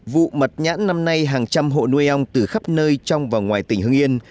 vụ mật nhãn năm nay hàng trăm hộ nuôi ong từ khắp nơi trong và ngoài tỉnh hưng yên